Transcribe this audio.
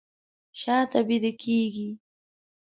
شاته بیده کیږي